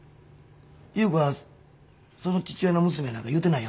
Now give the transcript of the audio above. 優子がその父親の娘やなんか言うてないやろな？